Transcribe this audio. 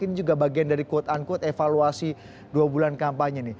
ini juga bagian dari quote unquote evaluasi dua bulan kampanye nih